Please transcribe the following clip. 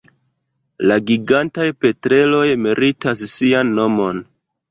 La Gigantaj petreloj meritas sian nomon.